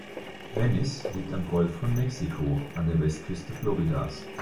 Venice liegt am Golf von Mexiko an der Westküste Floridas.